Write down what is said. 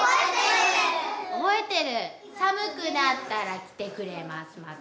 覚えてる寒くなったら来てくれますまた。